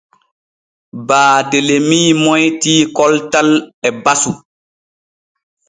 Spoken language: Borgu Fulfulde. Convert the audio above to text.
Baatelemi moytii koltal e basu.